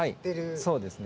はいそうですね。